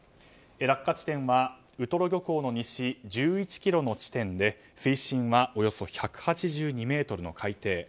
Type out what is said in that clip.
落下地点はウトロ漁港の西１１ｋｍの地点で水深はおよそ１８２ｍの海底。